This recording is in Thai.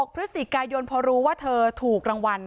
พฤศจิกายนพอรู้ว่าเธอถูกรางวัล